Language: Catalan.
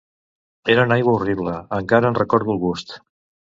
Era una aigua horrible; encara en recordo el gust